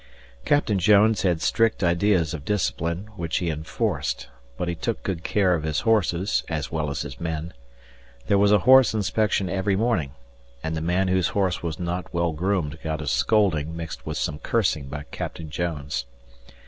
Captain Jones had strict ideas of discipline, which he enforced, but he took good care of his horses as well as his men. There was a horse inspection every morning, and the man whose horse was not well groomed got a scolding mixed with some cursing by Captain Jones.